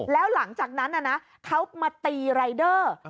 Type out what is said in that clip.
แล้วหลังจากนั้นเขามาตีรายเดอร์